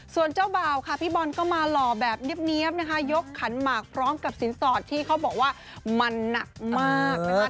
ส่วนเจ้าบ่าวค่ะพี่บอลก็มาหล่อแบบเนี๊ยบนะคะยกขันหมากพร้อมกับสินสอดที่เขาบอกว่ามันหนักมากนะคะ